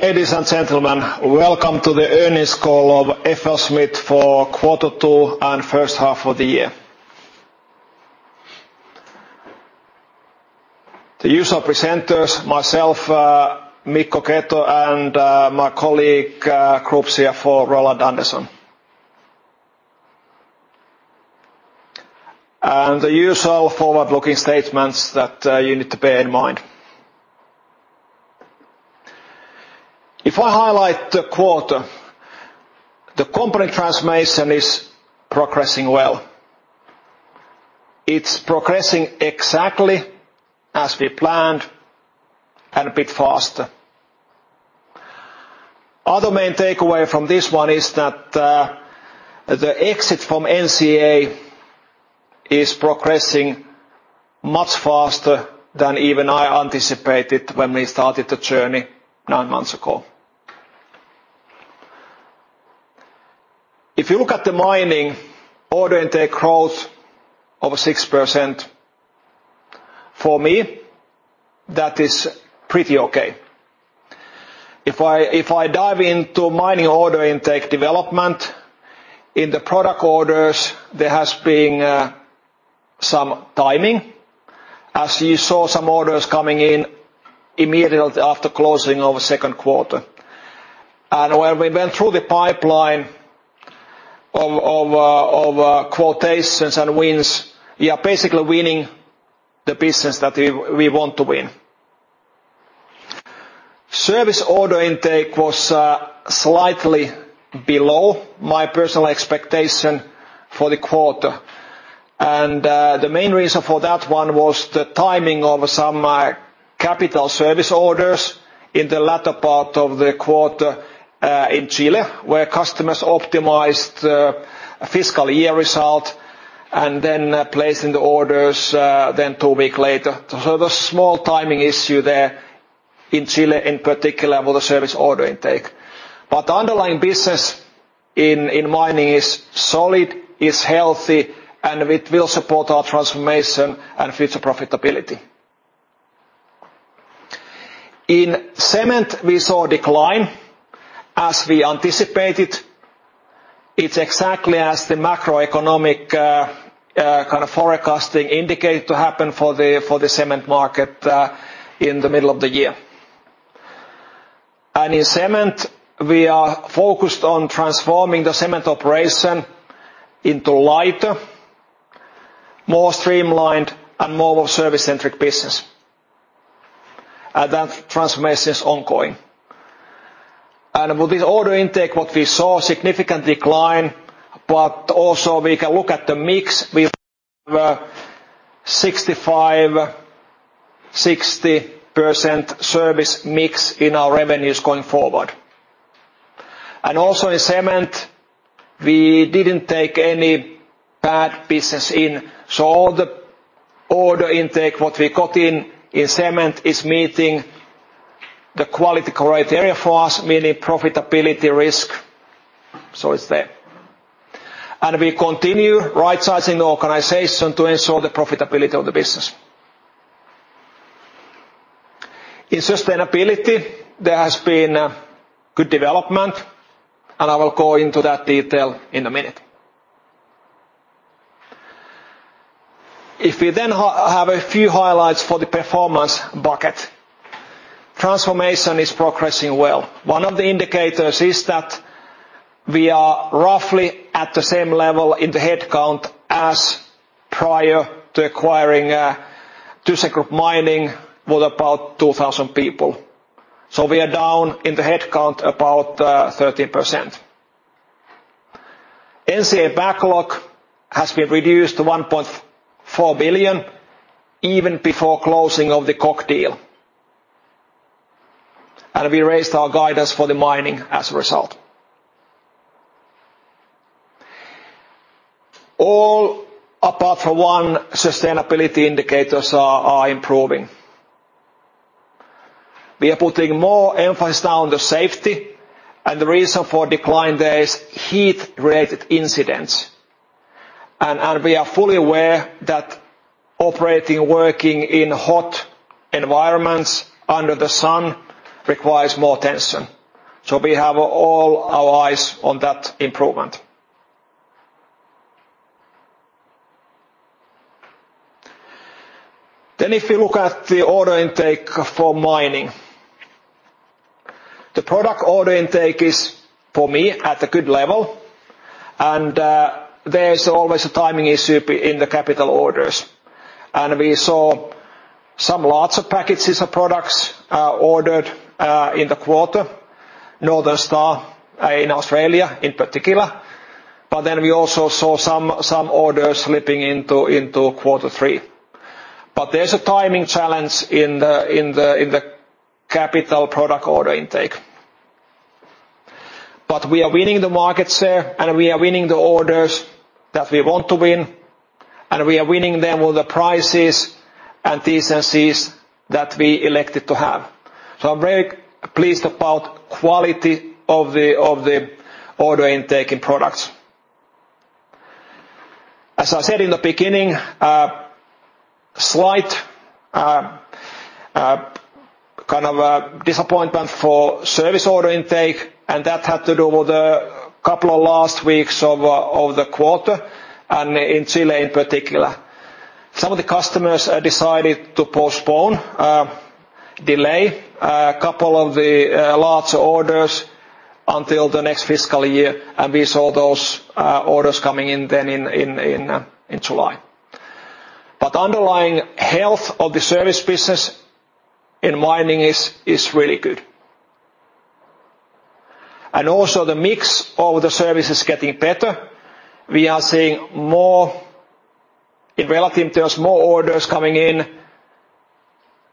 Ladies and gentlemen, welcome to the Earnings Call of FLSmidth for Quarter Two and First Half of the Year. The usual presenters, myself, Mikko Keto, and my colleague, Group CFO, Roland Andersen. The usual forward-looking statements that you need to pay in mind. If I highlight the quarter, the company transformation is progressing well. It's progressing exactly as we planned, and a bit faster. Other main takeaway from this one is that the exit from NCA is progressing much faster than even I anticipated when we started the journey nine months ago. If you look at the mining order intake growth of 6%, for me, that is pretty okay. If I dive into mining order intake development, in the product orders, there has been some timing, as you saw some orders coming in immediately after closing of the second quarter. When we went through the pipeline of quotations and wins, we are basically winning the business that we want to win. Service order intake was slightly below my personal expectation for the quarter. The main reason for that one was the timing of some capital service orders in the latter part of the quarter in Chile, where customers optimized the fiscal year result and then placing the orders 2 week later. There was small timing issue there in Chile, in particular, with the service order intake. The underlying business in mining is solid, is healthy, and it will support our transformation and future profitability. In cement, we saw a decline, as we anticipated. It's exactly as the macroeconomic, kind of forecasting indicates for the cement market, in the middle of the year. In cement, we are focused on transforming the cement operation into lighter, more streamlined, and more of a service-centric business. That transformation is ongoing. With this order intake, what we saw a significant decline, but also we can look at the mix with 65%-60% service mix in our revenues going forward. Also in cement, we didn't take any bad business in, all the order intake, what we got in cement, is meeting the quality criteria for us, meaning profitability risk. It's there. We continue right-sizing the organization to ensure the profitability of the business. In sustainability, there has been a good development, and I will go into that detail in a minute. We have a few highlights for the performance bucket, transformation is progressing well. One of the indicators is that we are roughly at the same level in the headcount as prior to acquiring thyssenkrupp Mining, with about 2,000 people. We are down in the headcount about 13%. NCA backlog has been reduced to 1.4 billion, even before closing of the KOCH deal. We raised our guidance for the mining as a result. All apart from one sustainability indicators are improving. We are putting more emphasis now on the safety, and the reason for decline there is heat-related incidents. We are fully aware that operating, working in hot environments under the sun requires more attention. We have all our eyes on that improvement. If you look at the order intake for mining, the product order intake is, for me, at a good level, and there is always a timing issue in the capital orders. We saw some lots of packages of products ordered in the quarter, Northern Star in Australia in particular, but then we also saw some, some orders slipping into, into quarter three. There's a timing challenge in the, in the, in the capital product order intake. We are winning the markets there, and we are winning the orders that we want to win, and we are winning them with the prices and decencies that we elected to have. I'm very pleased about quality of the order intake in products. As I said in the beginning, slight kind of a disappointment for service order intake. That had to do with the couple of last weeks of the quarter, and in Chile in particular. Some of the customers decided to postpone, delay, a couple of the large orders until the next fiscal year. We saw those orders coming in then in July. Underlying health of the service business in mining is really good. Also the mix of the service is getting better. We are seeing more, in relative terms, more orders coming in,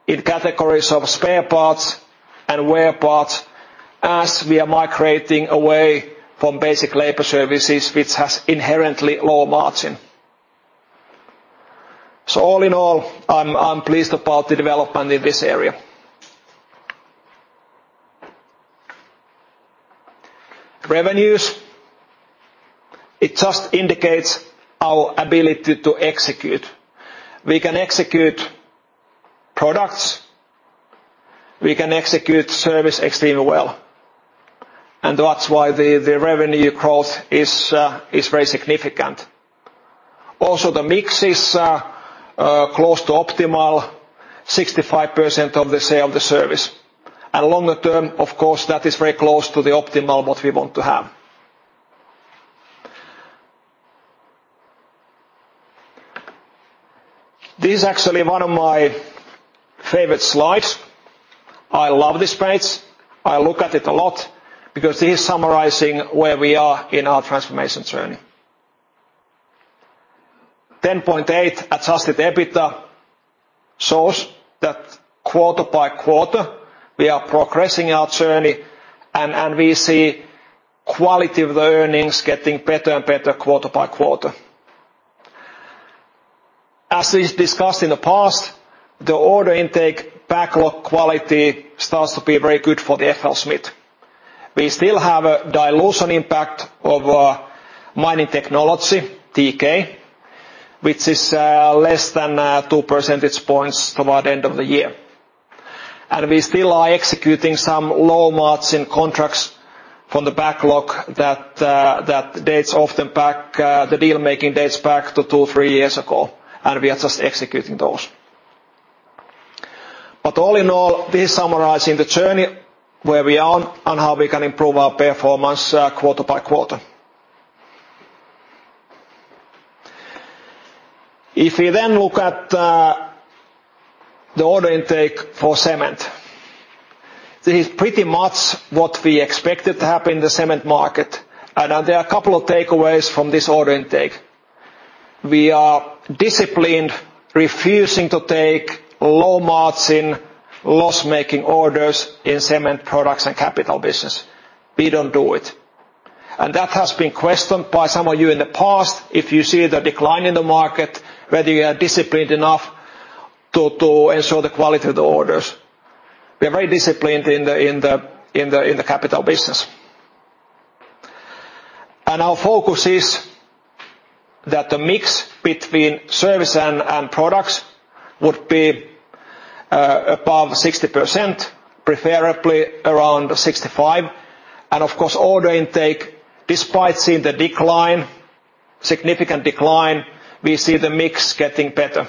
in categories of spare parts and wear parts, as we are migrating away from basic labor services, which has inherently low margin. All in all, I'm pleased about the development in this area. Revenues, it just indicates our ability to execute. We can execute products, we can execute service extremely well, and that's why the revenue growth is very significant. Also, the mix is close to optimal, 65% of the sale of the service. Longer term, of course, that is very close to the optimal, what we want to have. This is actually one of my favorite slides. I love this page. I look at it a lot, because this is summarizing where we are in our transformation journey. 10.8 adjusted EBITDA shows that quarter by quarter, we are progressing our journey, and we see quality of the earnings getting better and better quarter by quarter. As is discussed in the past, the order intake backlog quality starts to be very good for the FLSmidth. We still have a dilution impact of Mining Technologies, TK, which is less than 2 percentage points toward end of the year. We still are executing some low-margin contracts from the backlog that dates often back, the deal-making dates back to 2, 3 years ago, and we are just executing those. All in all, this is summarizing the journey where we are and how we can improve our performance, quarter by quarter. We then look at the order intake for cement, this is pretty much what we expected to happen in the cement market, and there are a couple of takeaways from this order intake. We are disciplined, refusing to take low margin, loss-making orders in cement products and capital business. We don't do it. That has been questioned by some of you in the past, if you see the decline in the market, whether you are disciplined enough to, to ensure the quality of the orders. We are very disciplined in the, in the, in the, in the capital business. Our focus is that the mix between service and, and products would be above 60%, preferably around 65%. Of course, order intake, despite seeing the decline, significant decline, we see the mix getting better.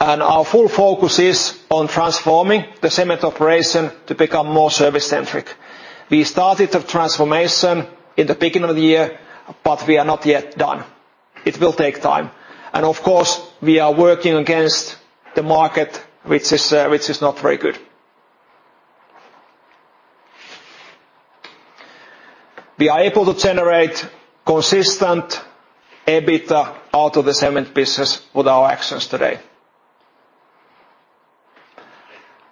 Our full focus is on transforming the cement operation to become more service-centric. We started the transformation in the beginning of the year, but we are not yet done. It will take time. We are working against the market, which is, which is not very good. We are able to generate consistent EBITDA out of the cement business with our actions today.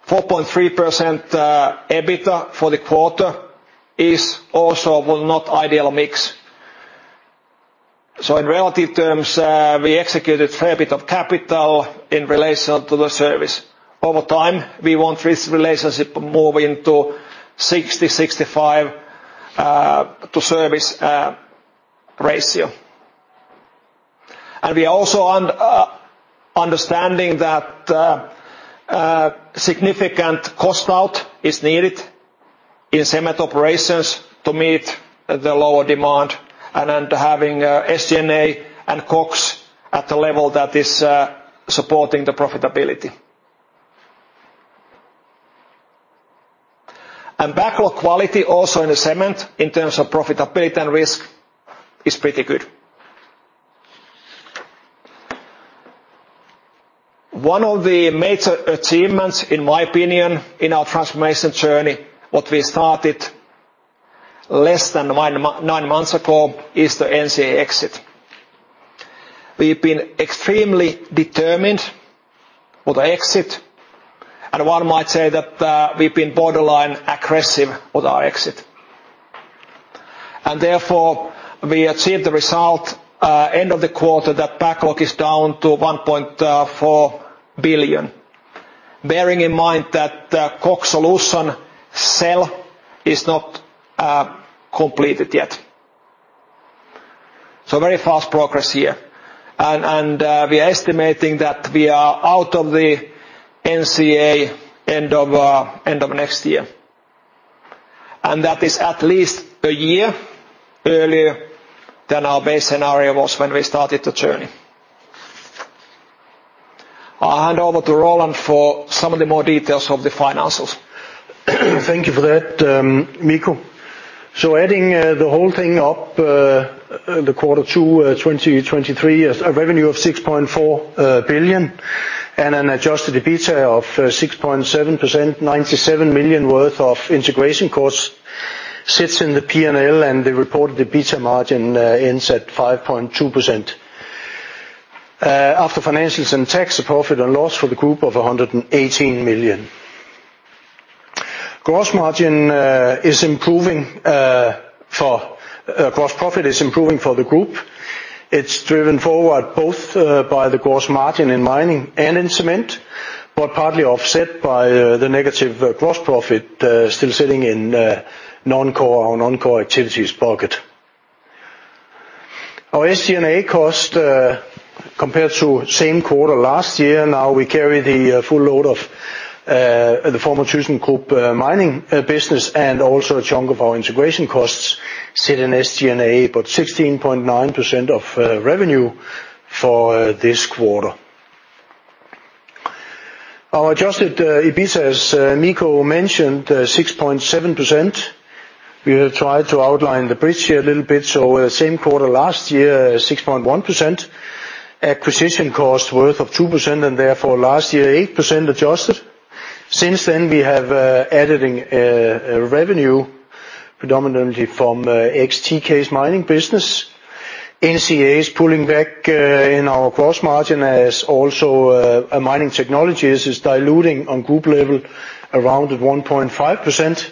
4.3% EBITDA for the quarter is also, well, not ideal mix. In relative terms, we executed a fair bit of capital in relation to the service. Over time, we want this relationship to move into 60-65 to service ratio. We are also understanding that significant cost out is needed in cement operations to meet the lower demand, and then to having SG&A and COGS at a level that is supporting the profitability. Backlog quality, also in the cement, in terms of profitability and risk, is pretty good. One of the major achievements, in my opinion, in our transformation journey, what we started less than nine months ago, is the NCA exit. We've been extremely determined with the exit, one might say that we've been borderline aggressive with our exit. Therefore, we achieved the result end of the quarter, that backlog is down to 1.4 billion, bearing in mind that the KOCH Solutions sell is not completed yet. Very fast progress here, and we are estimating that we are out of the NCA end of next year. That is at least a year earlier than our base scenario was when we started the journey. I'll hand over to Roland for some of the more details of the financials. Thank you for that, Mikko. Adding the whole thing up, the quarter two 2023, is a revenue of 6.4 billion, and an adjusted EBITDA of 6.7%, 97 million worth of integration costs, sits in the P&L, and the reported EBITDA margin ends at 5.2%. After financials and tax, a profit and loss for the group of 118 million. Gross margin is improving, for gross profit is improving for the group. It's driven forward both by the gross margin in mining and in cement, but partly offset by the negative gross profit still sitting in Non-Core Activities pocket. Our SG&A cost, compared to same quarter last year, now we carry the full load of the former thyssenkrupp Mining, and also a chunk of our integration costs, sit in SG&A, but 16.9% of revenue for this quarter. Our adjusted EBITA, as Mikko mentioned, 6.7%. We have tried to outline the bridge here a little bit, so same quarter last year, 6.1%. Acquisition cost worth of 2%, and therefore last year, 8% adjusted. Since then, we have added in a revenue, predominantly from ex-TK's mining business. NCA pulling back in our gross margin as also Mining Technologies is diluting on group level around 1.5%,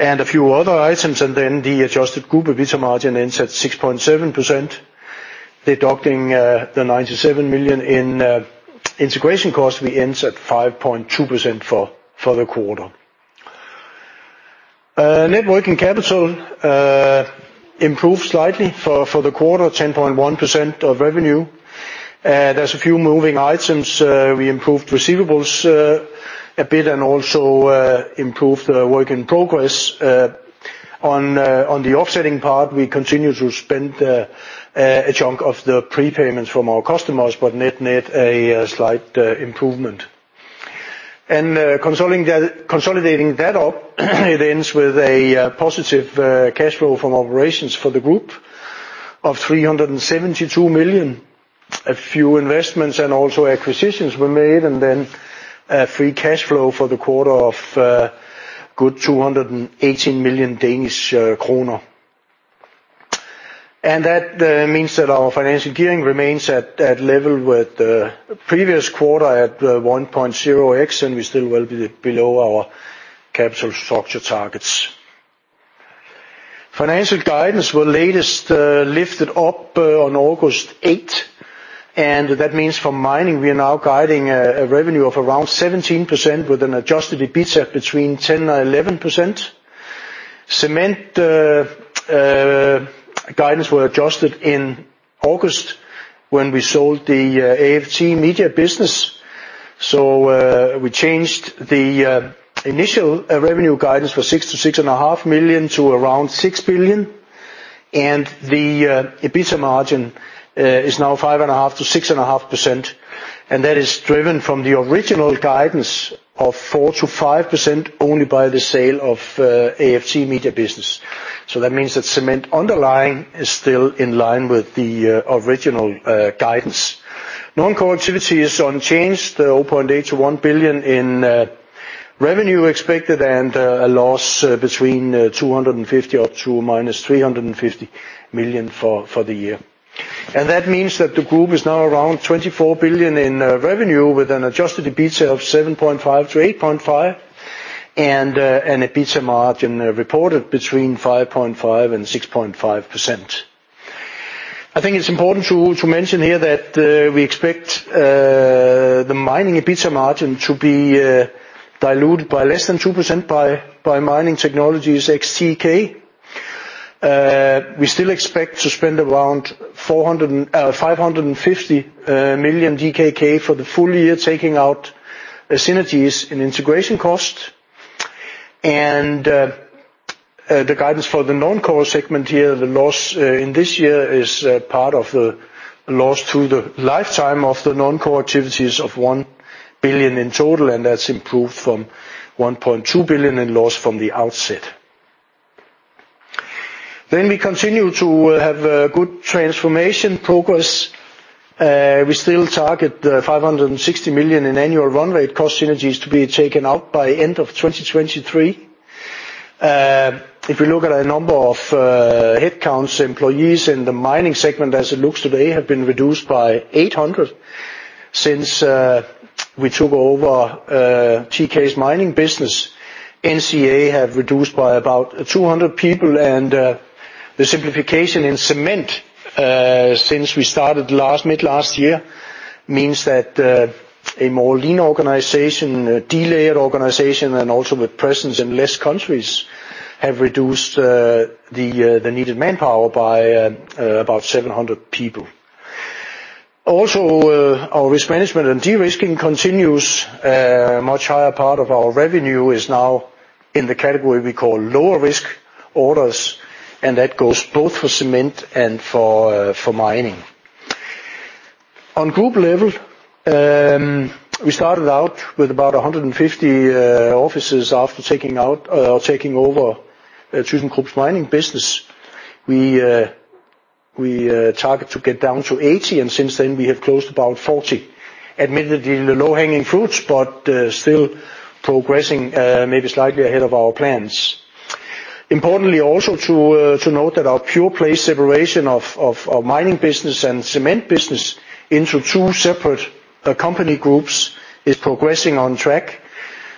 a few other items, the adjusted group EBITDA margin ends at 6.7%. Deducting 97 million in integration costs, we end at 5.2% for the quarter. Net working capital improved slightly for the quarter, 10.1% of revenue. There's a few moving items. We improved receivables a bit, also improved the work in progress. On the offsetting part, we continue to spend a chunk of the prepayments from our customers, net, net, a slight improvement. Consolidating that up, it ends with a positive cash flow from operations for the group of 372 million. A few investments and also acquisitions were made, and then free cash flow for the quarter of good 218 million Danish kroner. That means that our financial gearing remains at level with the previous quarter at 1.0x, and we still well be below our capital structure targets. Financial guidance were latest lifted up on August 8, and that means for mining, we are now guiding a revenue of around 17%, with an adjusted EBITA between 10% and 11%. Cement guidance were adjusted in August when we sold the FT Media business. We changed the initial revenue guidance for 6 million-6.5 million to around 6 billion, and the EBITA margin is now 5.5%-6.5%, which is driven from the original guidance of 4%-5% only by the sale of FT Media business. That means that the underlying is still in line with the original guidance. Non-Core Activities is unchanged, 0.8 billion-1 billion in revenue expected and a loss between -250 million to -350 million for the year. That means that the group is now around 24 billion in revenue, with an adjusted EBITA of 7.5-8.5, and an EBITA margin reported between 5.5% and 6.5%. I think it's important to mention here that we expect the Mining EBITA margin to be diluted by less than 2% by Mining Technologies ex-TK. We still expect to spend around 400 and 550 million DKK for the full year, taking out the synergies and integration cost. The guidance for the non-core segment here, the loss in this year is part of the loss to the lifetime of the Non-Core Activities of 1 billion in total, and that's improved from 1.2 billion in loss from the outset. We continue to have good transformation progress. We still target 560 million in annual run rate cost synergies to be taken out by end of 2023. If we look at a number of headcounts, employees in the mining segment, as it looks today, have been reduced by 800 since we took over TK's mining business. NCA have reduced by about 200 people. The simplification in cement, since we started last, mid last year, means that a more lean organization, a delayered organization, and also with presence in less countries, have reduced the needed manpower by about 700 people. Our risk management and de-risking continues. Much higher part of our revenue is now in the category we call lower risk orders. That goes both for cement and for mining. On group level, we started out with about 150 offices after taking out or taking over thyssenkrupp's mining business. We target to get down to 80. Since then we have closed about 40. Admittedly, the low-hanging fruits, still progressing, maybe slightly ahead of our plans. Importantly, also to, to note that our pure play separation of, of, our mining business and cement business into two separate, company groups is progressing on track,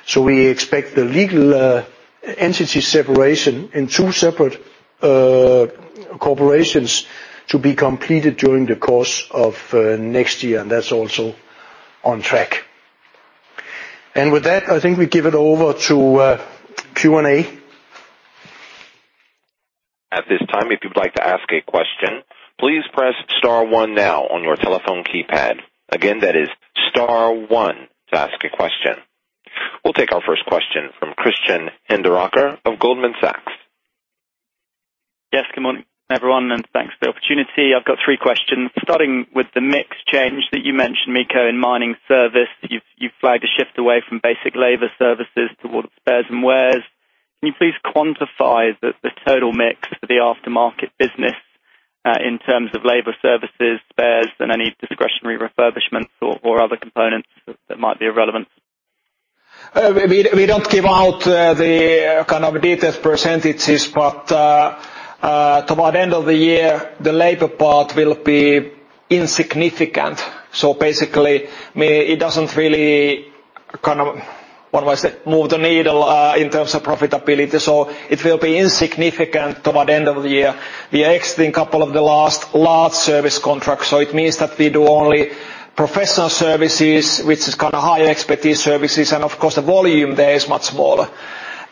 so we expect the legal, entity separation in two separate, corporations to be completed during the course of, next year, and that's also on track. With that, I think we give it over to, Q&A. At this time, if you'd like to ask a question, please press star one now on your telephone keypad. Again, that is star one to ask a question. We'll take our first question from Christian Hinderaker of Goldman Sachs. Yes, good morning, everyone. Thanks for the opportunity. I've got three questions, starting with the mix change that you mentioned, Mikko, in mining service. You've flagged a shift away from basic labor services towards spares and wears. Can you please quantify the total mix for the aftermarket business in terms of labor services, spares, and any discretionary refurbishments or other components that might be relevant? We, we don't give out the kind of detailed %, but toward the end of the year, the labor part will be insignificant. Basically, it doesn't really kind of, what do I say? Move the needle in terms of profitability, so it will be insignificant toward the end of the year. We are exiting 2 of the last large service contracts, so it means that we do only professional services, which is kind of high expertise services, and of course, the volume there is much smaller.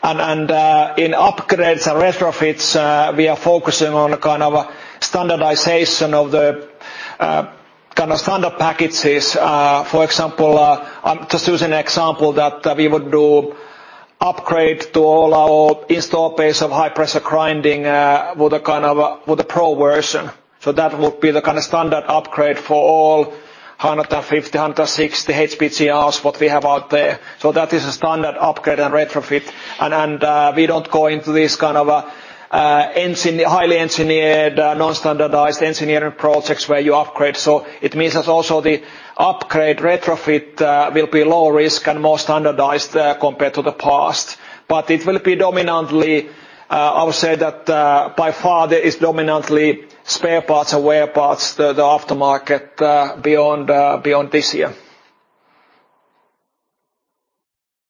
In upgrades and retrofits, we are focusing on a kind of a standardization of the kind of standard packages. For example, just use an example that we would do upgrade to all our install base of High Pressure Grinding, with a kind of, with a pro version. That would be the kind of standard upgrade for all 150, 160 HPGRs, what we have out there. That is a standard upgrade and retrofit. And we don't go into this kind of highly engineered, non-standardized engineering projects where you upgrade. It means that also the upgrade retrofit will be low risk and more standardized compared to the past. It will be dominantly, I would say that, by far there is dominantly spare parts and wear parts, the aftermarket beyond this year.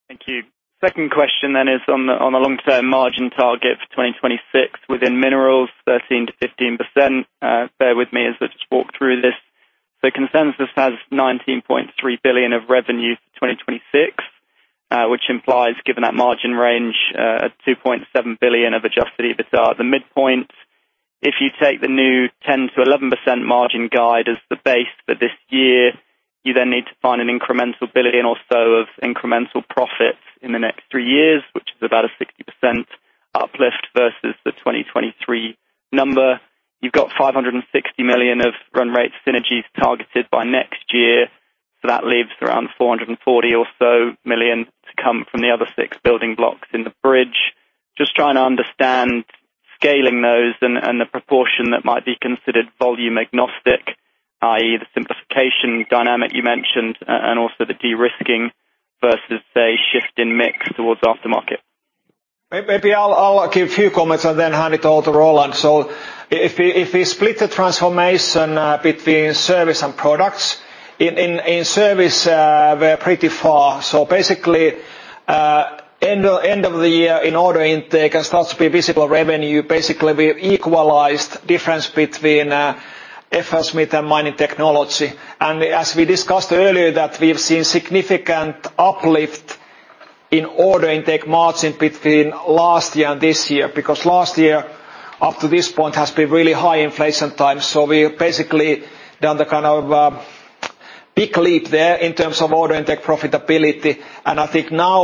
Thank you. Second question is on the long-term margin target for 2026 within minerals, 13%-15%. Bear with me as I just walk through this. The consensus has 19.3 billion of revenue for 2026, which implies, given that margin range, a 2.7 billion of adjusted EBITDA at the midpoint. If you take the new 10%-11% margin guide as the base for this year, you then need to find an incremental 1 billion or so of incremental profits in the next three years, which is about a 60% uplift versus the 2023 number. You've got 560 million of run rate synergies targeted by next year, that leaves around 440 million or so to come from the other six building blocks in the bridge. Just trying to understand scaling those and, and the proportion that might be considered volume agnostic, i.e., the simplification dynamic you mentioned, and also the de-risking versus, say, shift in mix towards aftermarket. Maybe I'll give a few comments and then hand it over to Roland. If we, if we split the transformation between service and products, in service, we're pretty far. Basically, end of the year in order intake and starts to be visible revenue, basically, we equalized difference between FLSmidth and Mining Technologies. As we discussed earlier, that we've seen significant uplift in order intake margin between last year and this year, because last year, up to this point, has been really high inflation times. We basically done the kind of big leap there in terms of order intake profitability. I think now,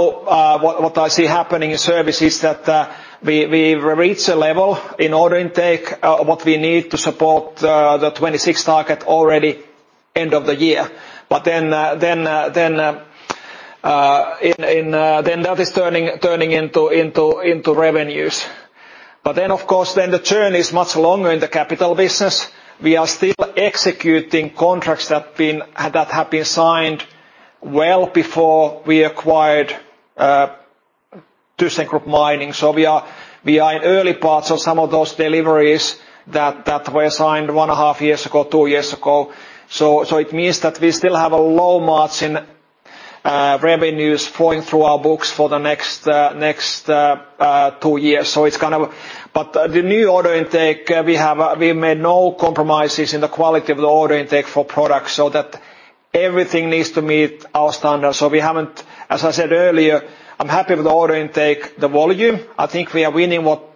what I see happening in service is that we've reached a level in order intake, what we need to support the 2026 target already end of the year. That is turning into revenues. Of course, then the journey is much longer in the capital business. We are still executing contracts that have been signed well before we acquired thyssenkrupp Mining. We are in early parts of some of those deliveries that were signed one and a half years ago, 2 years ago. It means that we still have a low margin revenues flowing through our books for the next 2 years. The new order intake, we have, we made no compromises in the quality of the order intake for products, so that everything needs to meet our standards. As I said earlier, I'm happy with the order intake, the volume. I think we are winning what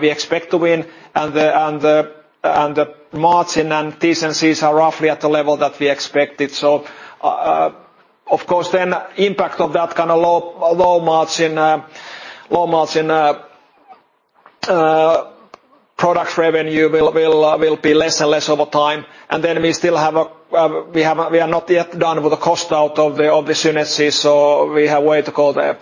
we expect to win, and the margin and decencies are roughly at the level that we expected. Of course, then impact of that low margin, product revenue will be less and less over time. We are not yet done with the cost out of the synergies, so we have way to go there.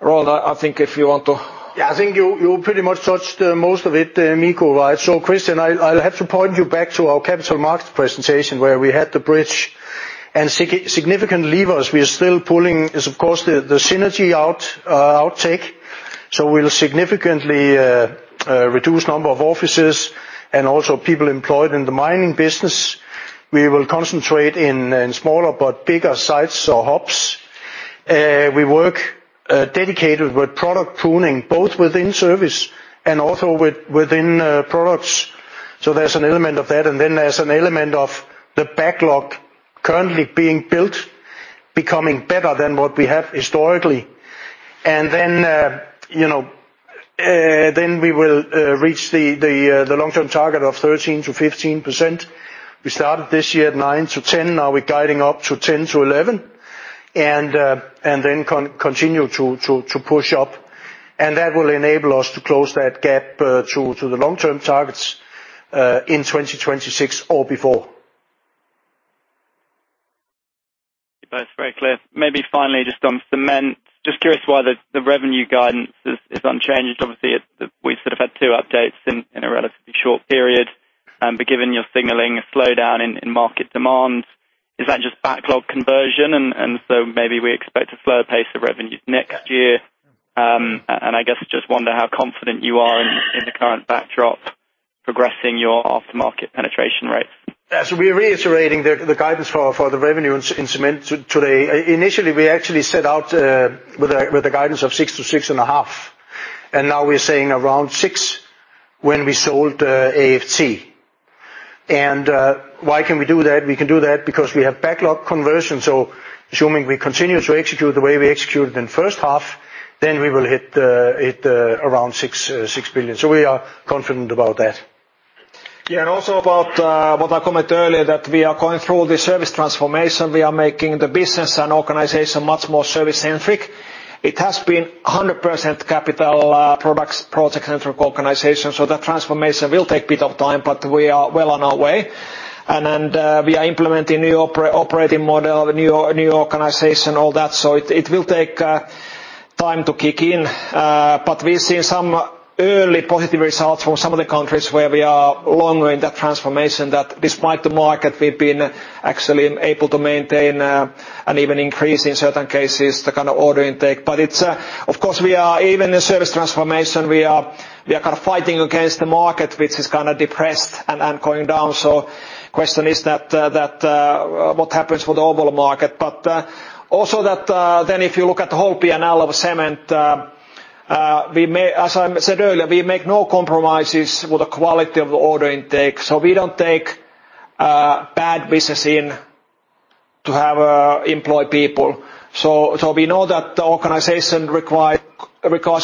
Roland, I think if you want to. I think you pretty much touched most of it, Mikko, right? Christian, I'll have to point you back to our capital market presentation, where we had the bridge and significant levers. We are still pulling is of course, the synergy out outtake. We'll significantly reduce number of offices and also people employed in the mining business. We will concentrate in smaller but bigger sites or hubs. We work dedicated with product pruning, both within service and also within products. There's an element of that, and then there's an element of the backlog currently being built, becoming better than what we have historically. You know, we will reach the long-term target of 13%-15%. We started this year at 9-10, now we're guiding up to 10-11, and continue to, to, to push up. That will enable us to close that gap to, to the long-term targets in 2026 or before. That's very clear. Maybe finally, just on cement. Just curious why the, the revenue guidance is, is unchanged. Obviously, it, we've sort of had two updates in, in a relatively short period, but given you're signaling a slowdown in market demand, is that just backlog conversion? So maybe we expect a slower pace of revenues next year. I guess just wonder how confident you are in the current backdrop, progressing your aftermarket penetration rates. We are reiterating the guidance for the revenue in Cement today. Initially, we actually set out with a guidance of 6 billion-6.5 billion, now we're saying around 6 billion, when we sold AFT. Why can we do that? We can do that because we have backlog conversion, assuming we continue to execute the way we executed in the first half, then we will hit the, hit around 6 billion. We are confident about that. Yeah, also about what I commented earlier, that we are going through the service transformation. We are making the business and organization much more service-centric. It has been a 100% capital, products, project-centric organization, so the transformation will take a bit of time, but we are well on our way. We are implementing new operating model, a new organization, all that, so it will take time to kick in. But we've seen some early positive results from some of the countries where we are longer in that transformation, that despite the market, we've been actually able to maintain, and even increase in certain cases, the kind of order intake. It's, of course, we are even in service transformation, we are fighting against the market, which is kind of depressed and going down. Question is that, what happens with the overall market? Also that, then if you look at the whole P&L of cement, we may... As I said earlier, we make no compromises with the quality of the order intake, so we don't take bad business in to have employ people. We know that the organization requires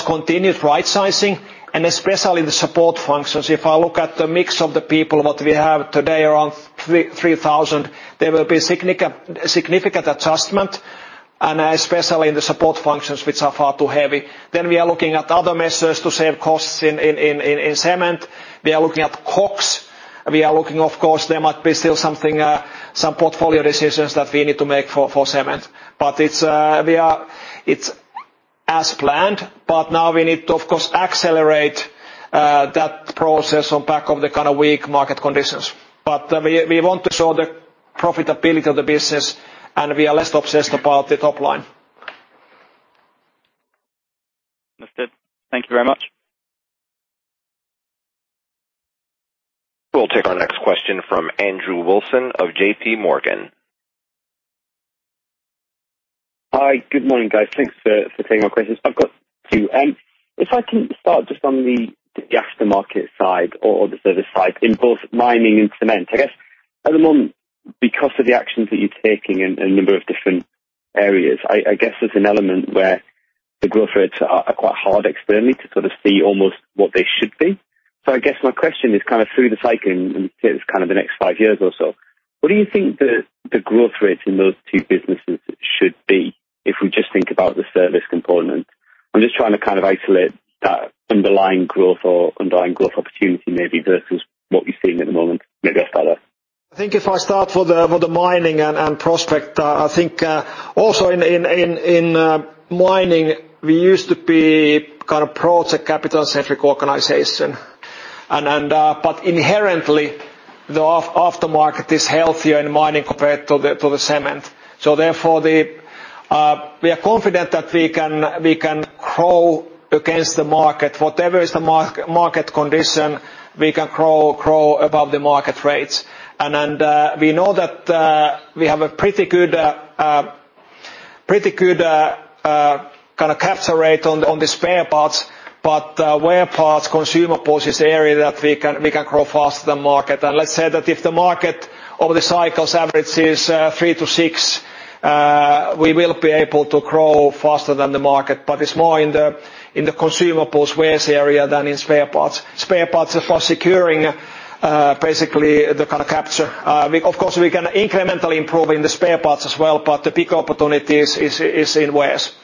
continuous right-sizing, and especially the support functions. If I look at the mix of the people, what we have today, around 3,000, there will be significant, significant adjustment, and especially in the support functions, which are far too heavy. We are looking at other measures to save costs in cement. We are looking at costs. We are looking, of course, there might be still something, some portfolio decisions that we need to make for, for cement. It's as planned, but now we need to, of course, accelerate that process on back of the weak market conditions. We, we want to show the profitability of the business, and we are less obsessed about the top line. Understood. Thank you very much. We'll take our next question from Andrew Wilson of J.P. Morgan. Hi, good morning, guys. Thanks for, for taking my questions. I've got 2. If I can start just on the, the aftermarket side or the service side, in both mining and cement. I guess at the moment, because of the actions that you're taking in, in a number of different areas, I, I guess there's an element where the growth rates are, are quite hard externally to sort of see almost what they should be. I guess my question is kind of through the cycle, and it's kind of the next 5 years or so, what do you think the, the growth rates in those two businesses should be, if we just think about the service component? I'm just trying to kind of isolate that underlying growth or underlying growth opportunity, maybe versus what you're seeing at the moment. Maybe I start there. I think if I start with the mining and prospecting, I think also in mining, we used to be project capital-centric organization. But inherently, the aftermarket is healthier in mining compared to the cement. Therefore, we are confident that we can grow against the market. Whatever is the market condition, we can grow above the market rates. We know that we have a pretty good, pretty good, kind of capture rate on the spare parts, but wear parts, consumer parts is the area that we can grow faster than market. Let's say that if the market over the cycles average is 3-6, we will be able to grow faster than the market, but it's more in the consumables, wears area than in spare parts. Spare parts are for securing basically the kind of capture. Of course, we can incrementally improve in the spare parts as well, but the big opportunity is, is, is in wears.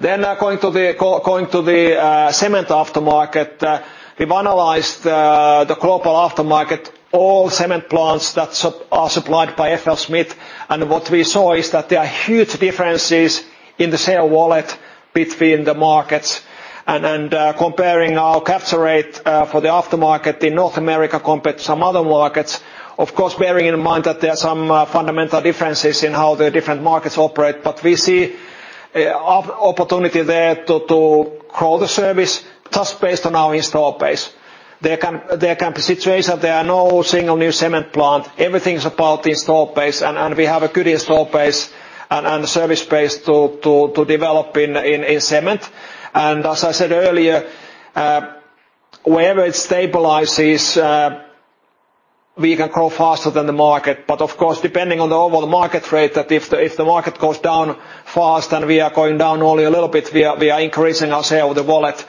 Going to the cement aftermarket, we've analyzed the global aftermarket, all cement plants that are supplied by FLSmidth, and what we saw is that there are huge differences in the share of wallet between the markets. Comparing our capture rate for the aftermarket in North America compared to some other markets, of course, bearing in mind that there are some fundamental differences in how the different markets operate. We see opportunity there to grow the service just based on our install base. There can be situation, there are no single new cement plant. Everything is about the install base, and we have a good install base and service base to develop in cement. As I said earlier, wherever it stabilizes, we can grow faster than the market, but of course, depending on the overall market rate, that if the market goes down fast and we are going down only a little bit, we are increasing our share of wallet.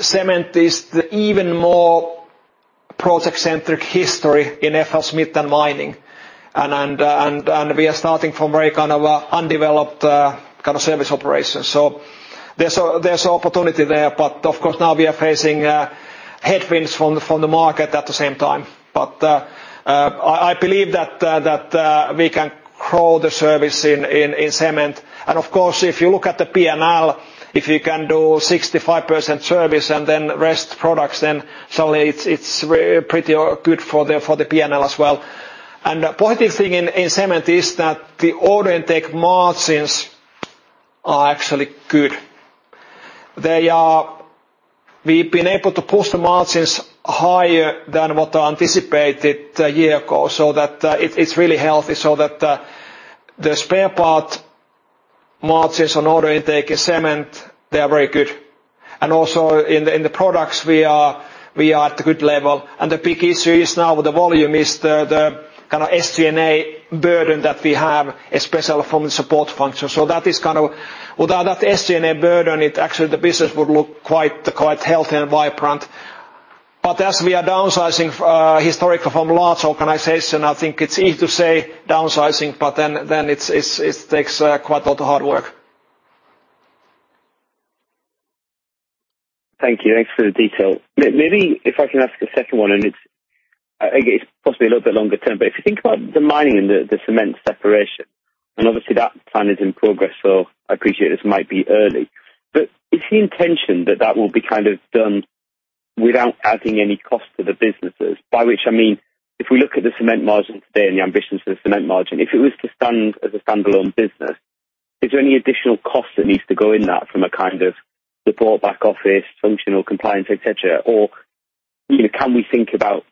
Cement is the even more project-centric history in FLSmidth than mining. We are starting from very kind of, undeveloped, kind of service operations. There's a, there's opportunity there, but of course, now we are facing, headwinds from the, from the market at the same time. I believe that we can grow the service in cement. Of course, if you look at the P&L, if you can do 65% service and then rest products, then certainly it's pretty, good for the P&L as well. The positive thing in cement is that the order intake margins are actually good. They are... We've been able to push the margins higher than what anticipated a year ago it's really healthy the spare part margins on order intake in cement, they are very good. Also in the products, we are at a good level, and the big issue is now with the volume, is the SG&A burden that we have, especially from the support function. That is without that SG&A burden, it actually the business would look quite, quite healthy and vibrant. As we are downsizing, historical from large organization, I think it's easy to say downsizing, but then it takes quite a lot of hard work. Thank you. Thanks for the detail. Maybe if I can ask a second one, and it's, I guess, possibly a little bit longer term, but if you think about the mining and the cement separation, and obviously that plan is in progress, so I appreciate this might be early. Is the intention that that will be kind of done without adding any cost to the businesses? By which I mean, if we look at the cement margin today and the ambitions for the cement margin, if it was to stand as a standalone business, is there any additional cost that needs to go in that from a kind of support back office, functional compliance, et cetera? You know, can we think about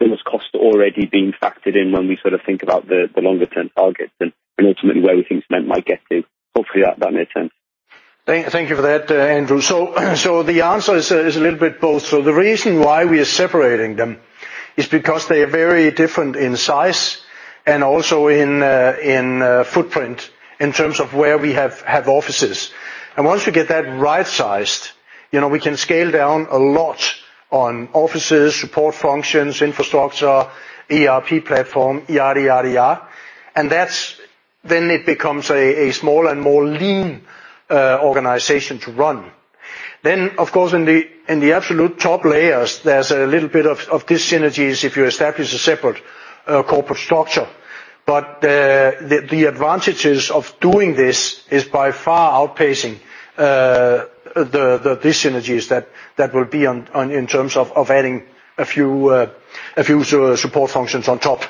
those costs already being factored in when we sort of think about the, the longer term targets and, ultimately, where we think cement might get to? Hopefully, that, that makes sense. Thank, thank you for that, Andrew. The answer is a little bit both. The reason why we are separating them is because they are very different in size and also in footprint, in terms of where we have offices. Once we get that right-sized, you know, we can scale down a lot on offices, support functions, infrastructure, ERP platform. Then it becomes a small and more lean organization to run. Of course, in the absolute top layers, there's a little bit of these synergies if you establish a separate corporate structure. The advantages of doing this is by far outpacing the synergies that will be in terms of adding a few support functions on top.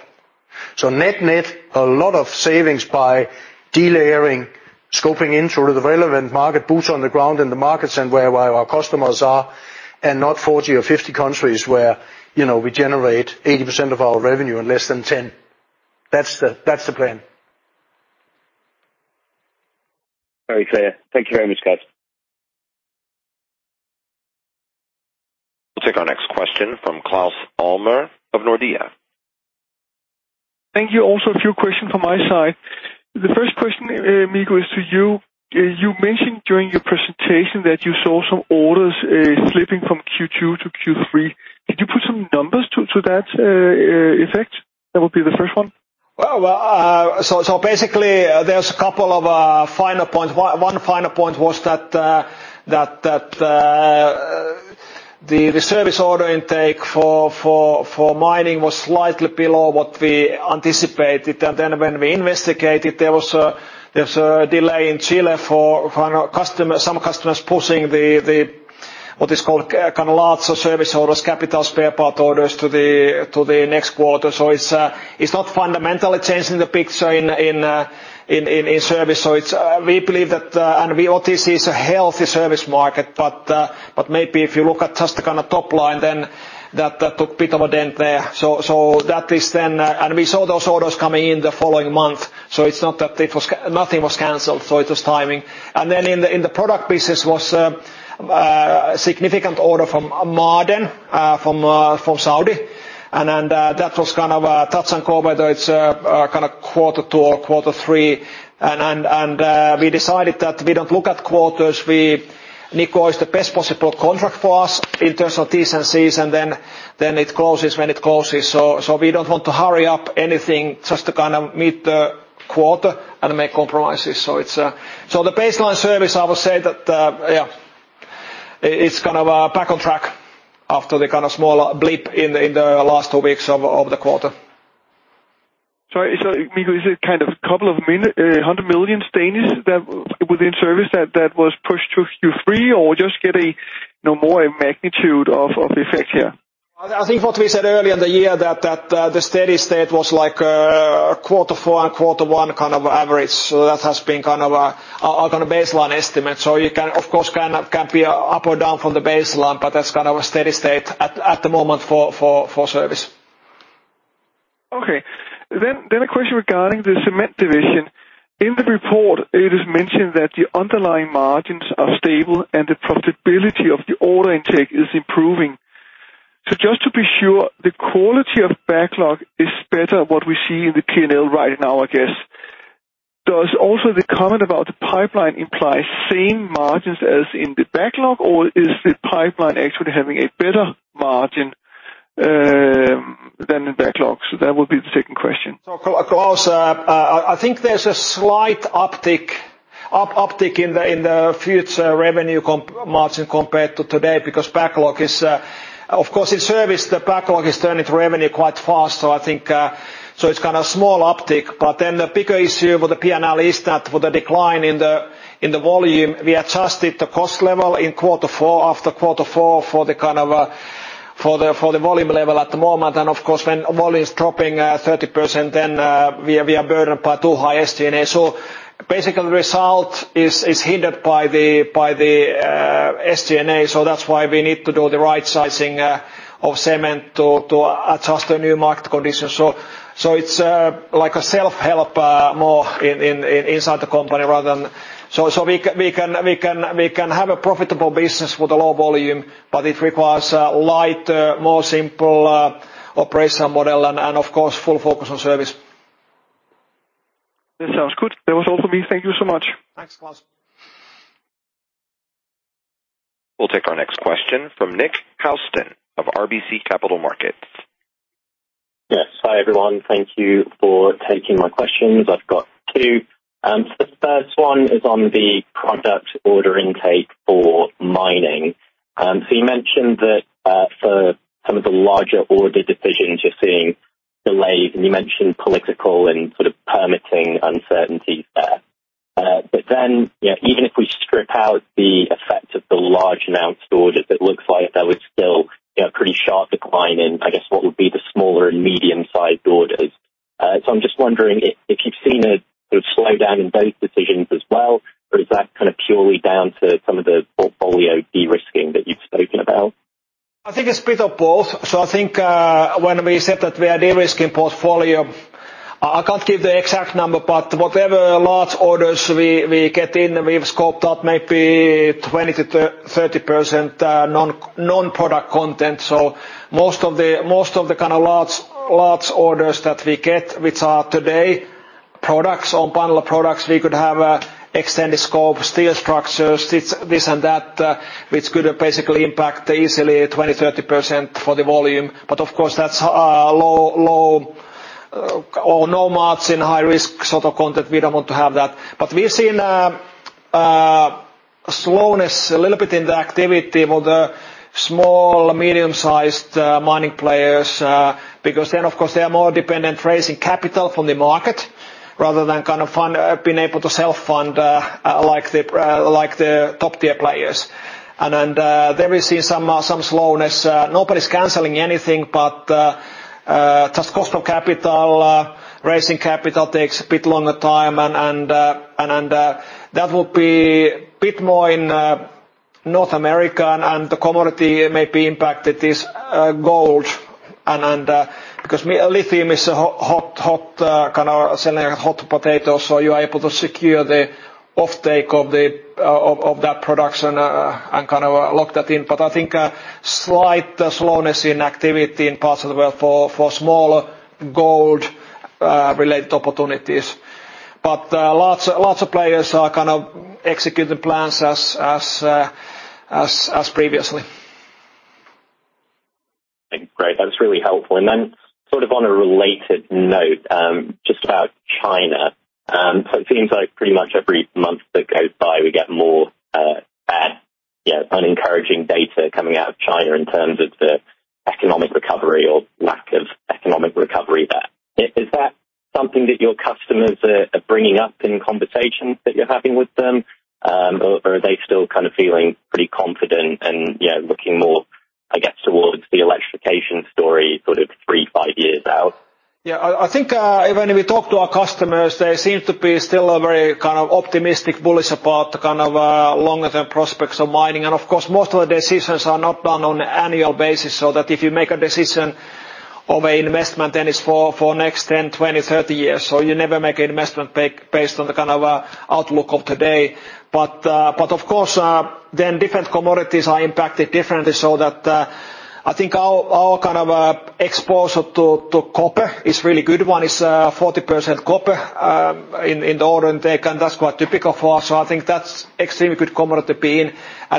Net-net, a lot of savings by delayering, scoping into the relevant market, boots on the ground in the markets and where our customers are, and not 40 or 50 countries where, you know, we generate 80% of our revenue in less than 10. That's the plan. Very clear. Thank you very much, guys. We'll take our next question from Claus Almer of Nordea. Thank you. Also, a few questions from my side. The first question, Mikko, is to you. You mentioned during your presentation that you saw some orders slipping from Q2-Q3. Could you put some numbers to that effect? That would be the first one. Well, basically, there's a couple of finer points. One, one finer point was that service order intake for mining was slightly below what we anticipated. Then when we investigated, there was a delay in Chile for customer, some customers pushed lots of service orders, capital spare part orders to the next quarter. It's not fundamentally changing the picture in service. It's, we believe that, and what we see is a healthy service market. But maybe if you look at just the top line, then that put a bit of a dent there. We saw those orders coming in the following month, so it's not that it was nothing was canceled, so it was timing. Then in the product business was significant order from Ma'aden from Saudi, that was a touch-and-go, whether it's a kind of quarter two or quarter three. We decided that we don't look at quarters. Nikko is the best possible contract for us in terms of T&Cs, then it closes when it closes. We don't want to hurry up anything just to kind of meet the quarter and make compromises. It's the baseline service, I would say that, yeah, it's kind of back on track after the kind of small blip in the, in the last two weeks of the quarter. Sorry, Mikko, is it kind of 200 million that within service that, that was pushed to Q3, or just get a, you know, more a magnitude of effect here? I think what we said earlier in the year, that, that, the steady state was like, Q4 and Q1 kind of average. That has been our kind of baseline estimate. You can, of course, can be up or down from the baseline, but that's kind of a steady state at the moment for service. A question regarding the Cement Division. In the report, it is mentioned that the underlying margins are stable and the profitability of the order intake is improving. Just to be sure, the quality of backlog is better what we see in the P&L right now, I guess. Does also the comment about the pipeline imply same margins as in the backlog, or is the pipeline actually having a better margin than the backlogs? That would be the second question. Claus, I think there's a slight uptick in the future revenue margin compared to today, because backlog is, o f course, in service, the backlog is turning to revenue quite fast. It's a small uptick. Then the bigger issue with the P&L is that with the decline in the volume, we adjusted the cost level in quarter four, after quarter four, for the volume level at the moment. Of course, when volume is dropping, 30%, then we are, we are burdened by too high SG&A. Basically, the result is, is hindered by the, by the SG&A. That's why we need to do the right sizing of cement to adjust the new market conditions. It's, like a self-help, more in, inside the company rather than. We can have a profitable business with a low volume, but it requires a light, more simple, operational model and of course, full focus on service. That sounds good. That was all for me. Thank you so much. Thanks, Claus. We'll take our next question from Nick Housden of RBC Capital Markets. Yes. Hi, everyone. Thank you for taking my questions. I've got two. The first one is on the product order intake for mining. You mentioned that for some of the larger order decisions, you're seeing delays, and you mentioned political and permitting uncertainties there. Then even if we strip out the effect of the large amounts orders, it looks like there was still, a pretty sharp decline in what would be the smaller and medium-sized orders. I'm just wondering if you've seen a sort of slowdown in those decisions as well, or is that purely down to some of the portfolio de-risking that you've spoken about? I think it's a bit of both. I think, when we said that we are de-risking portfolio, I can't give the exact number, but whatever large orders we, we get in, we've scoped out maybe 20-30% non-product content. Most of the large, large orders that we get, which are today products or bundle of products, we could have, extended scope, steel structures, this, this and that, which could basically impact easily 20%-30% for the volume. Of course, that's, low or no margin, high-risk content. We don't want to have that. We've seen slowness a little bit in the activity with the small, medium-sized mining players because, of course, they are more dependent raising capital from the market rather than fund, being able to self-fund like the top-tier players. There we've seen some slowness. Nobody's canceling anything, but just cost of capital, raising capital takes a bit longer time, and that would be a bit more in North America, and the commodity may be impacted is gold. Because lithium is a hot selling a hot potato, so you are able to secure the offtake of the of that production and kind of lock that in. I think, slight slowness in activity in parts of the world for small gold-related opportunities. Lots of players are executing plans as previously. Great. That's really helpful. On a related note, just about China. It seems like pretty much every month that goes by, we get more, yeah, unencouraging data coming out of China in terms of economic recovery or lack of economic recovery there. Is that something that your customers are, are bringing up in conversations that you're having with them? Or are they still feeling pretty confident and looking more towards the electrification story 3, 5 years out? Even when we talk to our customers, there seems to be still a very kind of optimistic bullish about the kind of longer-term prospects of mining. Of course, most of the decisions are not done on an annual basis, so that if you make a decision of an investment, then it's for next 10, 20, 30 years. You never make an investment based on the outlook of today. But of course, then different commodities are impacted differently, so that I think our exposure to copper is really good. One is 40% copper in the order intake, and that's quite typical for us. I think that's extremely good commodity to be in.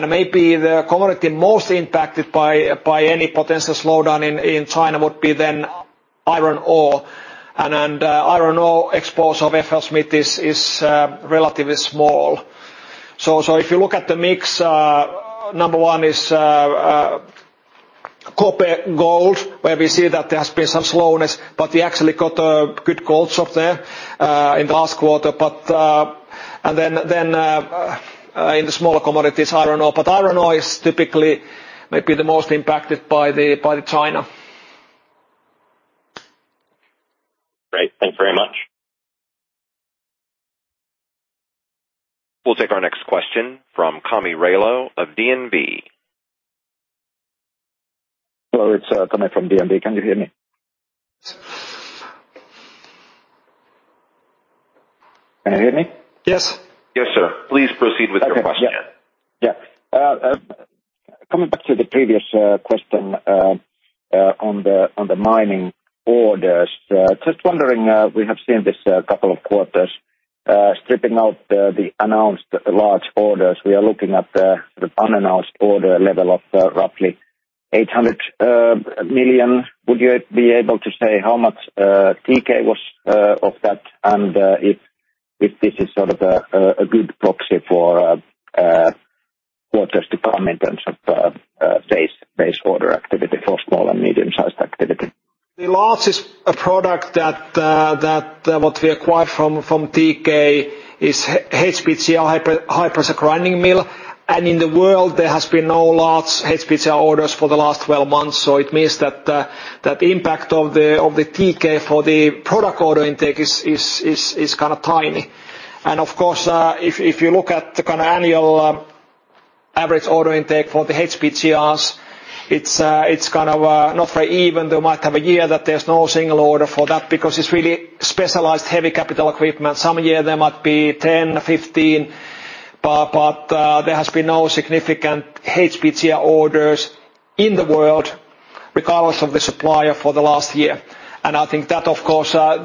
Maybe the commodity most impacted by any potential slowdown in China would be then iron ore exposure of FLSmidth is relatively small. If you look at the mix, number one is, copper, gold, where we see that there has been some slowness, but we actually got a good gold shop there, in the last quarter. Then in the smaller commodities, iron ore. Iron ore is typically maybe the most impacted by the, by the China. Great. Thanks very much. We'll take our next question from Tomi Railo of DNB. Hello, it's Tomi from DNB. Coming back to the previous question on the mining orders, just wondering, we have seen this couple of quarters, stripping out the announced large orders. We are looking at the unannounced order level of roughly 800 million. Would you be able to say how much TK was of that, and if this is sort of a good proxy for orders to come in terms of base, base order activity for small and medium-sized activity? The largest product that what we acquired from TK is HPGR, high-pressure grinding rolls. In the world, there has been no large HPGR orders for the last 12 months, so it means that impact of the TK for the product order intake is tiny. Of course, if you look at the annual average order intake for the HPGRs, it's kind of not very even. They might have a year that there's no single order for that, because it's really specialized heavy capital equipment. Some year there might be 10, 15, but there has been no significant HPGR orders in the world, regardless of the supplier for the last year. I think that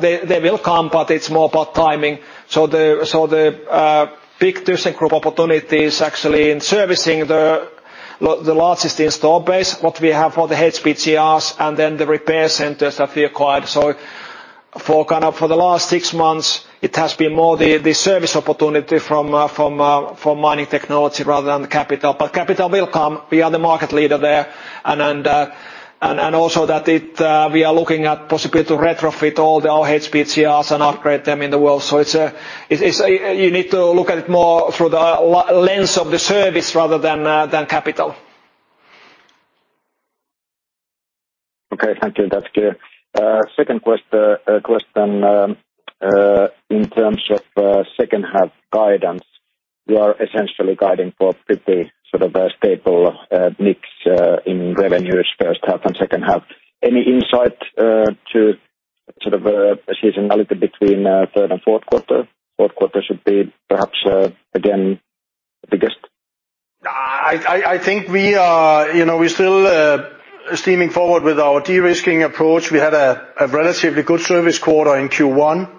they will come, but it's more about timing. The big thyssenkrupp opportunity is actually in servicing the largest install base, what we have for the HPGRs, and then the repair centers that we acquired. For the last 6 months, it has been more the service opportunity from Mining Technologies rather than the capital. Capital will come. We are the market leader there, and also that it, we are looking at possibly to retrofit all our HPGRs and upgrade them in the world. You need to look at it more through the lens of the service rather than capital. Okay, thank you. That's clear. Second question, in terms of second half guidance, you are essentially guiding for pretty sort of a stable mix in revenues, first half and second half. Any insight to sort of seasonality between third and fourth quarter? Fourth quarter should be perhaps again, the biggest. I think we are, you know, we're still steaming forward with our de-risking approach. We had a relatively good service quarter in Q1,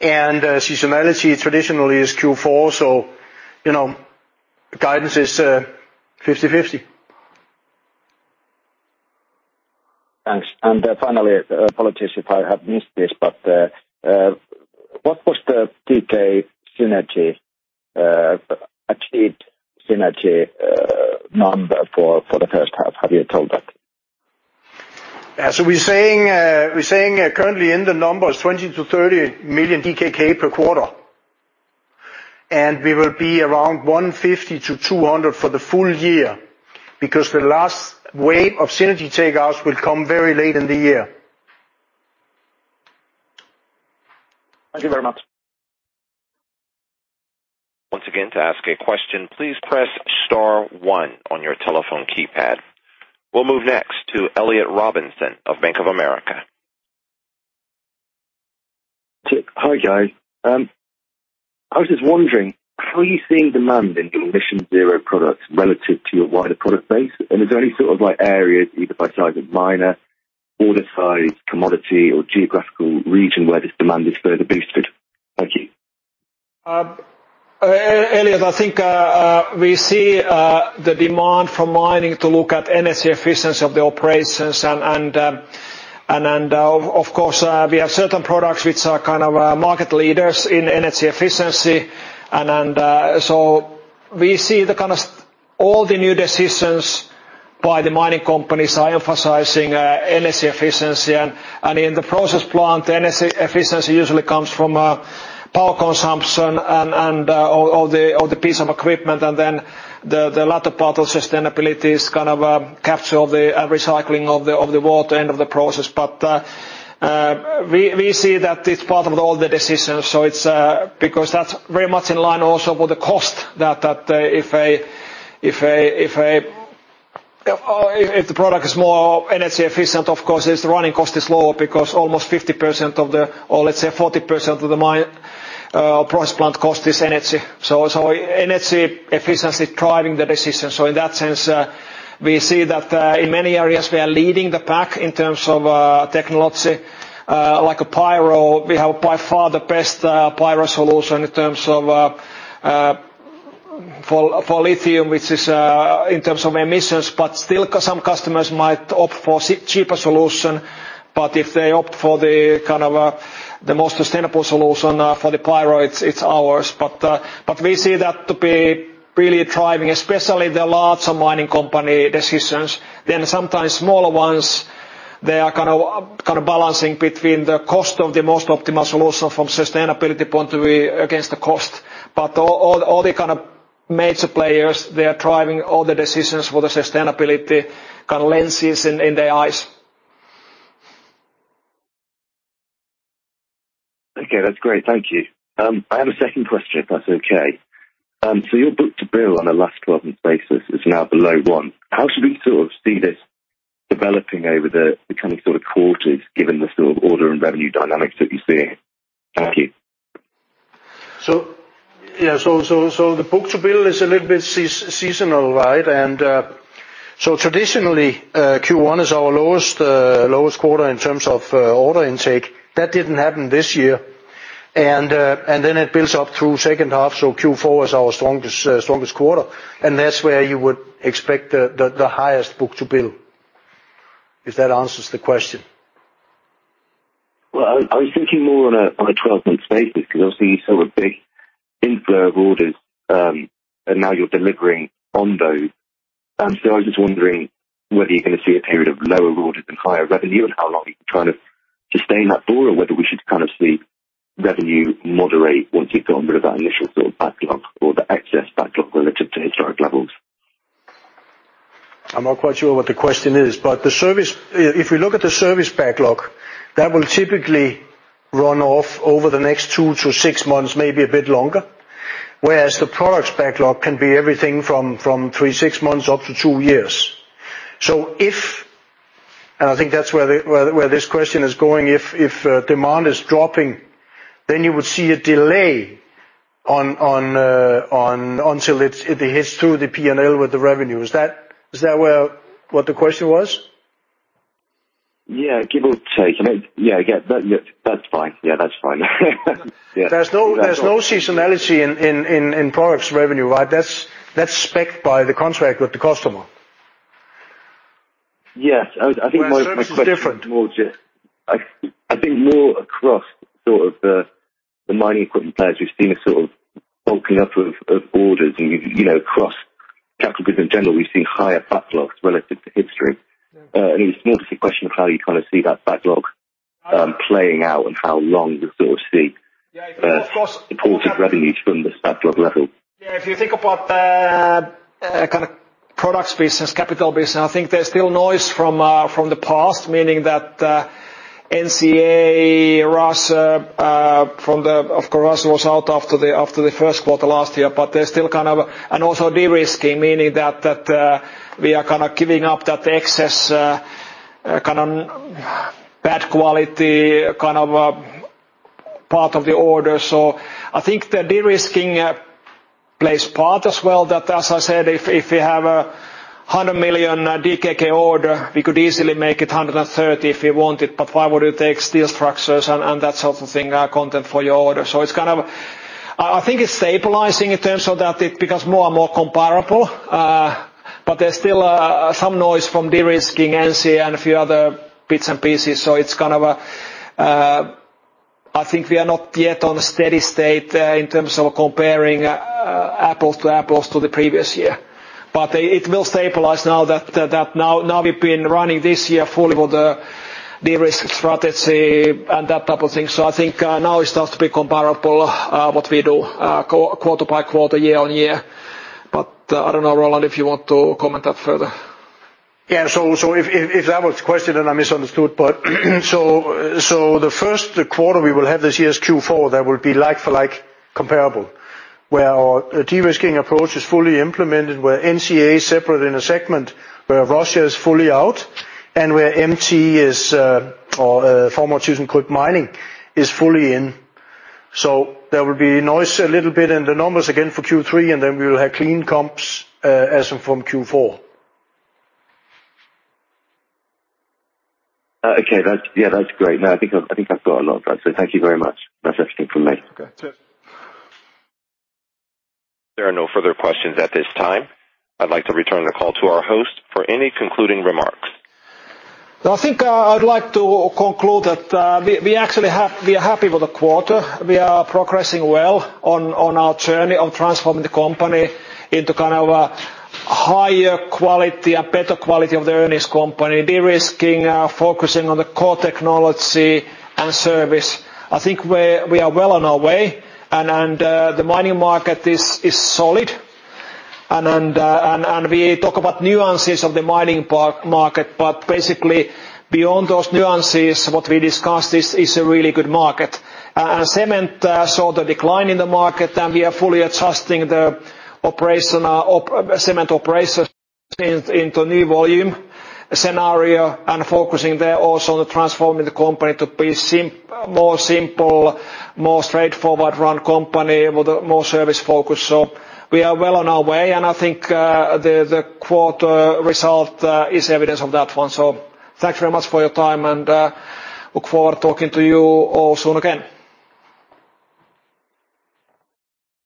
and seasonality traditionally is Q4, so, you know, guidance is 50/50. Thanks. Finally, apologies if I have missed this, what was the TK synergy achieved synergy number for, for the first half? Have you told that? We're saying currently in the numbers, 20 million to 30 million DKK per quarter. We will be around 150 million to 200 million for the full year, because the last wave of synergy take outs will come very late in the year. Thank you very much. Once again, to ask a question, please press star 1 on your telephone keypad. We'll move next to Elliott Robinson of Bank of America. Hi, guys. I was just wondering, how are you seeing demand in MissionZero products relative to your wider product base? Is there any sort of like areas, either by type of miner or the size, commodity, or geographical region where this demand is further boosted? Thank you. Elliott we see the demand from mining to look at energy efficiency of the operations. Then, of course, we have certain products which are kind of market leaders in energy efficiency. We see all the new decisions by the mining companies are emphasizing energy efficiency, and in the process plant, energy efficiency usually comes from power consumption and all the piece of equipment, and then the latter part of sustainability is kind of capture all the recycling of the water end of the process. We see that it's part of all the decisions, so it's, because that's very much in line also with the cost that, if the product is more energy efficient, of course, its running cost is lower because almost 50% of the Or let's say 40% of the mine, process plant cost is energy. Energy efficiency is driving the decision. In that sense, we see that in many areas we are leading the pack in terms of technology. Like a pyro, we have by far the best pyro solution in terms of for lithium, which is in terms of emissions, but still, some customers might opt for cheaper solution. If they opt for the the most sustainable solution, for the pyro, it's, it's ours. We see that to be really driving, especially the larger mining company decisions, then sometimes smaller ones, they are balancing between the cost of the most optimal solution from sustainability point of view against the cost. All the major players, they are driving all the decisions with the sustainability lenses in their eyes. Okay, that's great. Thank you. I have a second question, if that's okay. Your book-to-bill on a last 12-month basis is now below one. How should we sort of see this developing over the coming sort of quarters, given the sort of order and revenue dynamics that you're seeing? Thank you. The book-to-bill is a little bit seasonal, right? Traditionally, Q1 is our lowest quarter in terms of order intake. That didn't happen this year. Then it builds up through second half. Q4 is our strongest, strongest quarter, and that's where you would expect the highest book-to-bill. If that answers the question. Well, I was thinking more on a 12-month basis, because obviously, you saw a big inflow of orders, and now you're delivering on those. I was just wondering whether you're going to see a period of lower orders and higher revenue and how long you can kind of sustain that for, or whether we should kind of see revenue moderate once you've gone with that initial build backlog or the excess backlog relative to historic levels. I'm not quite sure what the question is, but the service, if we look at the service backlog, that will typically run off over the next 2-6 months, maybe a bit longer, whereas the products backlog can be everything from 3-6 months, up to 2 years. I think that's where this question is going, if demand is dropping, then you would see a delay until it hits through the P&L with the revenue. Is that where, what the question was? Give or take. That's fine. There's no seasonality in products revenue, right? That's spec by the contract with the customer. Service is different. I think more across sort of the mining equipment players, we've seen a of bulking up of orders and across capital goods in general, we've seen higher backlogs relative to history. It's more just a question of how you kind of see that backlog playing out and how long you sort of see supportive revenues from this backlog level. if you think about the kind of products business, capital business, I think there's still noise from the past, meaning that NCA, Russia, from of course, Russia was out after the first quarter last year, but there's still also derisking, meaning that we are kind of giving up that excess, bad quality part of the order. I think the derisking plays part as well, that as I said, if we have a 100 million DKK order, we could easily make it 130 if we wanted, but why would you take steel structures and that sort of thing content for your order? I think it's stabilizing in terms of that it becoming more and more comparable, but there's still some noise from derisking NCA and a few other bits and pieces. I think we are not yet on a steady state, in terms of comparing apples to apples to the previous year. It will stabilize now that now we've been running this year fully with the derisk strategy and that type of thing. I think, now it starts to be comparable, what we do, quarter by quarter, year-on-year Roland, if you want to comment that further. If that was the question, then I misunderstood. The first quarter we will have this year's Q4, that will be like-for-like comparable, where our derisking approach is fully implemented, where NCA is separate in a segment, where Russia is fully out, and where MT is, or, former thyssenkrupp Mining is fully in. There will be noise a little bit in the numbers again for Q3, and then we will have clean comps, as from Q4. That's great. No, I've got a lot. Thank you very much. That's everything from me. Okay. Cheers. There are no further questions at this time. I'd like to return the call to our host for any concluding remarks. I think I'd like to conclude that we are happy with the quarter. We are progressing well on our journey of transforming the company into kind of a higher-quality and better quality of the earnings company, derisking, focusing on the core technology and service. I think we are well on our way, and the mining market is solid. We talk about nuances of the mining market, but basically, beyond those nuances, what we discussed is a really good market. Cement saw the decline in the market, and we are fully adjusting the operation, cement operation into new volume scenario and focusing there also on transforming the company to be more simple, more straightforward run company with a more service-focused. We are well on our way, and the quarter result, is evidence of that one. Thanks very much for your time, and, look forward to talking to you all soon again.